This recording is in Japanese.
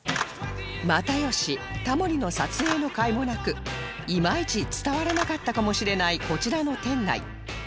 又吉タモリの撮影のかいもなくいまいち伝わらなかったかもしれないこちらの店内